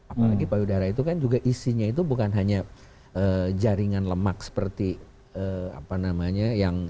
apalagi payudara itu kan juga isinya itu bukan hanya jaringan lemak seperti apa namanya